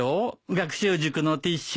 学習塾のティッシュ。